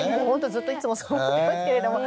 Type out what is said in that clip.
ずっといつもそう思ってますけれども。